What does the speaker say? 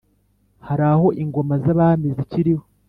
haraho ingoma zabami zikiriho